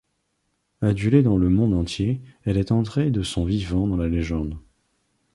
Adulée dans le monde entier, elle est entrée de son vivant dans la légende.